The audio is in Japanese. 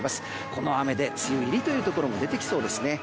この雨で梅雨入りというところも出てきそうですね。